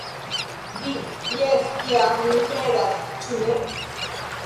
Vi jes ja min kredas, ĉu ne?